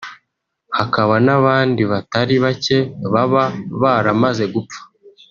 hakaba n’abandi batari bake baba baramaze gupfa